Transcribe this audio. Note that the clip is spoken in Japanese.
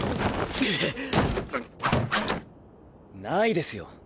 ないですよ。